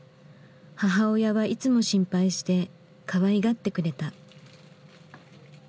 母親はいつも心配してかわいがってくれた。